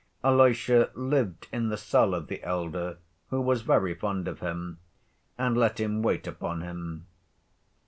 Alyosha lived in the cell of the elder, who was very fond of him and let him wait upon him.